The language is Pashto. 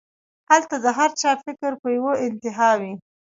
هلته د هر چا فکر پۀ يوه انتها وي